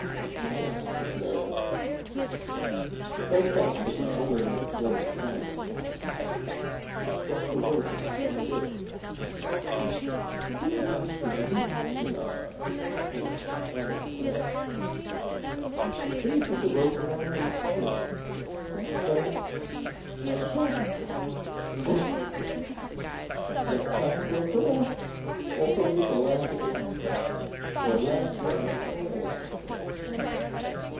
The sheriff was nervous. So cut up that he only made a fling at tying my ankles, just dropped a rope around my wrists. He was like me, he wanted to get it over, and the crowd on its way. Then he put the rope around my neck, stepped back and shot the trap. Zamm! No time for a prayer or for me to laugh at the offer! or a last word or anything.